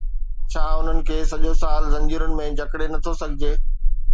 ڇا انهن کي سڄو سال زنجيرن ۾ جڪڙي نٿو سگهجي؟